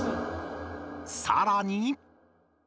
さらに。